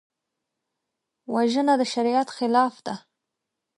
وژنه د شریعت خلاف ده